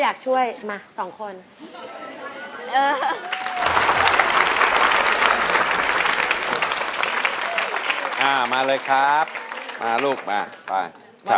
ใบเตยเลือกใช้ได้๓แผ่นป้ายตลอดทั้งการแข่งขัน